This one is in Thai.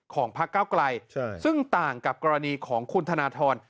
ของพักเก้าไกลซึ่งต่างกับกรณีของคุณธนทร